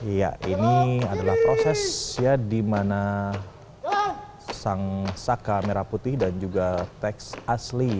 ya ini adalah proses ya dimana sang saka merah putih dan juga teks asli